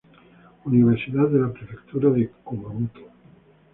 Universidad de la prefectura de Kumamoto